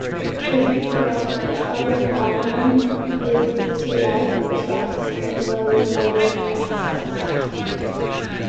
The correction of the problem is to add checks in the reassembly process.